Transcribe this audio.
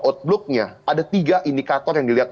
outlooknya ada tiga indikator yang dilihat